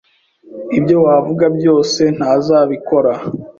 Ibyo wavuga byose, ntazabikora.